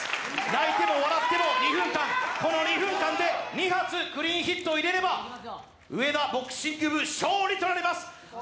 泣いても笑っても２分間、この２分間で２発クリーンヒットを入れれば、上田ボクシング部勝利となります。